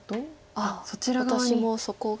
あっ私もそこが。